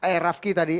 eh rafqi tadi